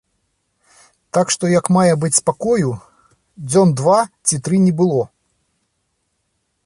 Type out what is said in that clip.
Так што яшчэ як мае быць спакою дзён два ці тры не было.